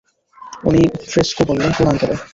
উনি ফ্রেস্কো বললেন কোন আক্কেলে?